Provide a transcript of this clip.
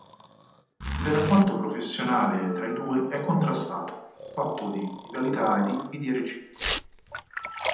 Il rapporto professionale tra i due è contrastato, fatto di rivalità e invidie reciproche.